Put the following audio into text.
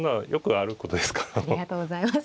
ありがとうございます。